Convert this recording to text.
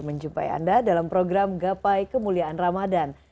menjumpai anda dalam program gapai kemuliaan ramadan